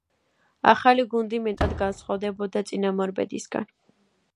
ახალი გუნდი მეტად განსხვავდებოდა წინამორბედისგან.